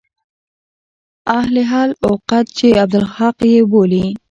اهل حل و عقد چې عبدالحق يې بولي.